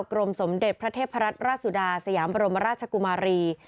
กรมสมเด็จพระเทพรัตนราชสุดาสยามบรมราชกุมารี